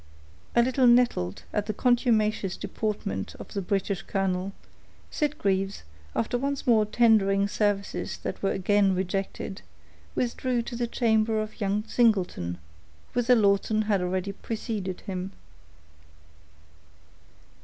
A little nettled at the contumacious deportment of the British colonel, Sitgreaves, after once more tendering services that were again rejected, withdrew to the chamber of young Singleton, whither Lawton had already preceded him.